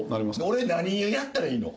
俺何やったらいいの？